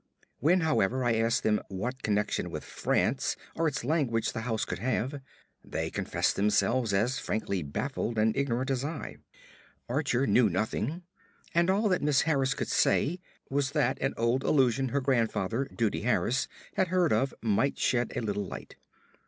When, however, I asked them what connection with France or its language the house could have, they confessed themselves as frankly baffled and ignorant as I. Archer knew nothing, and all that Miss Harris could say was that an old allusion her grandfather, Dutee Harris, had heard of might have shed a little light.